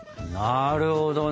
なるほどね！